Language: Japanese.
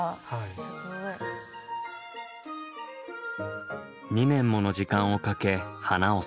すごい。２年もの時間をかけ花を咲かす。